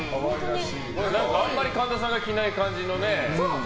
あんまり神田さんが着ない感じのね。